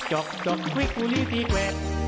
จกจกวิกวิกวิกวิกวิก